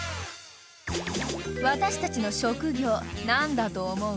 ［私たちの職業何だと思う？］